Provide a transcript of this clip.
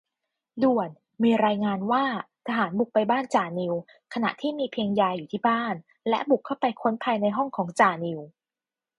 ด่วน ! มีรายงานว่า ทหารบุกไปบ้านจ่านิว ขณะที่มีเพียงยายอยู่ที่บ้าน และบุกเข้าไปค้นภายในห้องของจ่านิว